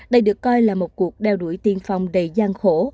đây được coi là một cuộc đeo đuổi tiên phong đầy gian khổ